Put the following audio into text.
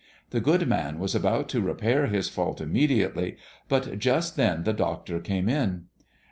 The good man was about to repair his fault immediately, but just then the doctor came in.